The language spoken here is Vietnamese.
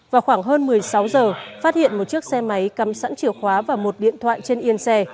vào khoảng hơn một mươi sáu giờ phát hiện một chiếc xe máy cắm sẵn chìa khóa và một điện thoại trên yên xe